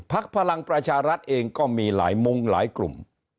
พลังประชารัฐเองก็มีหลายมุงหลายกลุ่ม